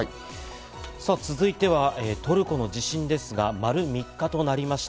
さぁ、続いてはトルコの地震ですが丸３日となりました。